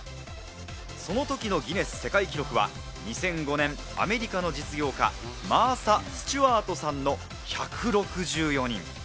その時のギネス世界記録は２００５年、アメリカの実業家、マーサ・スチュワートさんの１６４人。